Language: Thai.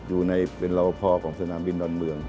อยู่ในเป็นรอปภของสนามบินดอนเมือง